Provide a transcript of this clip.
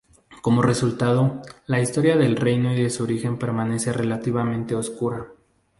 Como resultado, la historia del reino y de su origen permanece relativamente oscura.